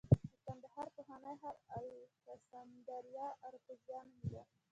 د کندهار پخوانی ښار الکسندریه اراکوزیا نومېده